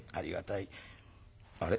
あれ？